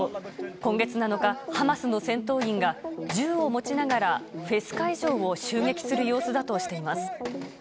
今月７日、ハマスの戦闘員が銃を持ちながらフェス会場を襲撃する様子だとしています。